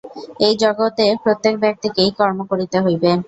এই জগতে প্রত্যেক ব্যক্তিকেই কর্ম করিতে হইবে।